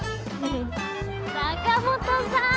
坂本さん！